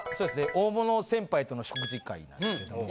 大物先輩との食事会なんですけど。